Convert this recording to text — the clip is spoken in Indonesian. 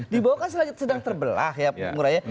di bawah kan sedang terbelah ya murahnya